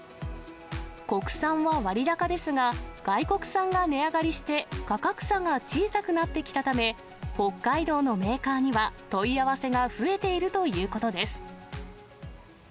国産は割高ですが、外国産が値上がりして、価格差が小さくなってきたため、北海道のメーカーには問い合わせが増えているということです。